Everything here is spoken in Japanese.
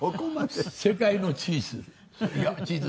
世界のチーズ。